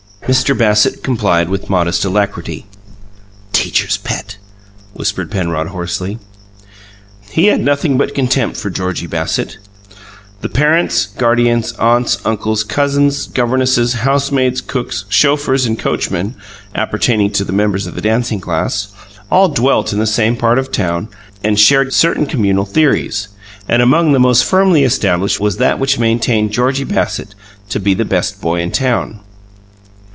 Mr. Bassett complied with modest alacrity. "Teacher's pet!" whispered Penrod hoarsely. He had nothing but contempt for Georgie Bassett. The parents, guardians, aunts, uncles, cousins, governesses, housemaids, cooks, chauffeurs and coachmen, appertaining to the members of the dancing class, all dwelt in the same part of town and shared certain communal theories; and among the most firmly established was that which maintained Georgie Bassett to be the Best Boy in Town.